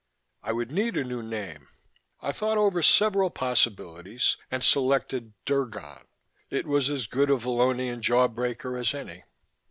I would need a new name. I thought over several possibilities and selected "Drgon". It was as good a Vallonian jawbreaker as any.